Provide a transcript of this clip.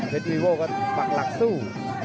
วีโว่ก็ปักหลักสู้